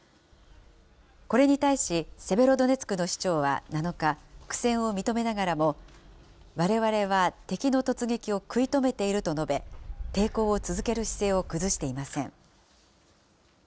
これに対し、セベロドネツクの市長は７日、苦戦を認めながらも、われわれは敵の突撃を食い止めていると述べ、抵抗を続ける姿勢を崩していません。